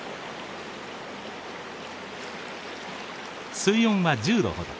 水温は１０度ほど。